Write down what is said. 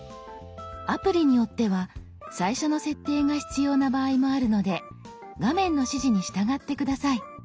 アプリによっては最初の設定が必要な場合もあるので画面の指示に従って下さい。